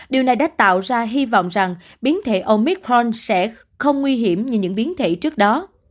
điều này đã tạo ra hy vọng rằng biến thể omithon sẽ không nguy hiểm như những biến thể trước đó